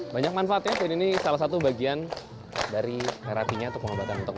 banyak manfaatnya ini salah satu bagian dari terapinya untuk mengobat antum mereka